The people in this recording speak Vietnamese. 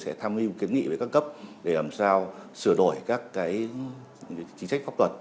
sẽ tham mưu kiến nghị với các cấp để làm sao sửa đổi các chính trách pháp luật